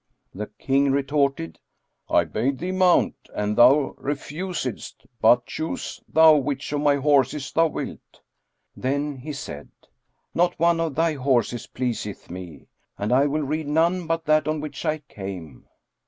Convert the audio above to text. The King retorted, "I bade thee mount, and thou refusedst; but choose thou which of my horses thou wilt." Then he said, "Not one of thy horses pleaseth me, and I will ride none but that on which I came."